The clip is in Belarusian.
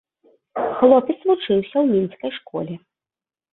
Хлопец вучыўся ў мінскай школе.